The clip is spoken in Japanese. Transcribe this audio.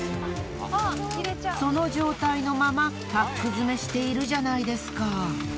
その状態のままパック詰めしているじゃないですか。